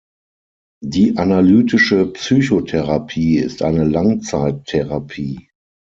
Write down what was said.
Die analytische Psychotherapie ist eine Langzeittherapie.